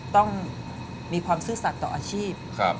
ต้องมีความซื่อสัตว์ต่ออาชีพ